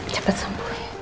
cepat sembuh ya